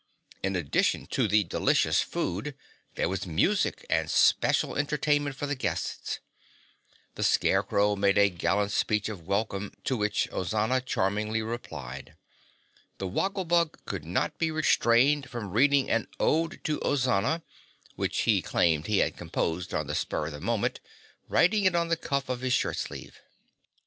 In addition to the delicious food, there was music and special entertainment for the guests. The Scarecrow made a gallant speech of welcome to which Ozana charmingly replied. The Woggle Bug could not be restrained from reading an "Ode to Ozana," which he claimed he had composed on the spur of the moment, writing it on the cuff of his shirt sleeve.